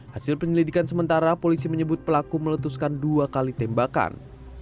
hasil penyelidikan sementara polisi menyebut pelaku meletuskan dua kali tembakan